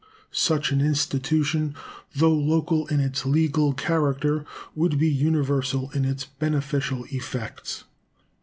Such an institution, though local in its legal character, would be universal in its beneficial effects.